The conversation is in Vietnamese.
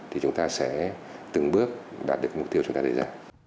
thì chúng ta sẽ từng bước đạt được mục tiêu chúng ta đề ra